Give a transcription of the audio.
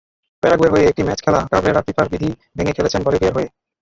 প্যারাগুয়ের হয়ে একটি ম্যাচ খেলা কাবরেরা ফিফার বিধি ভেঙে খেলেছেন বলিভিয়ার হয়ে।